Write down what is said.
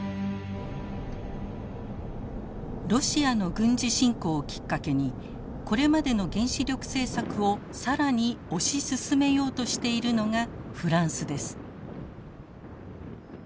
ロシアの軍事侵攻をきっかけにこれまでの原子力政策を更に推し進めようとしているのがフランスです。